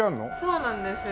そうなんですよ。